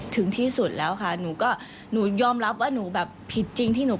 ถึงที่สุดแล้วค่ะหนูก็หนูยอมรับว่าหนูแบบผิดจริงที่หนู